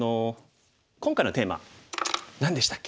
今回のテーマ何でしたっけ？